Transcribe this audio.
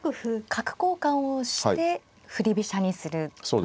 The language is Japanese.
角交換をして振り飛車にするという。